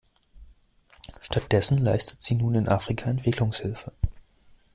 Stattdessen leistet sie nun in Afrika Entwicklungshilfe.